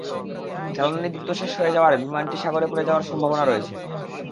জ্বালানি দ্রুত শেষ হয়ে যাওয়ায় বিমানটি সাগরে পড়ে যাওয়ার সম্ভাবনা রয়েছে।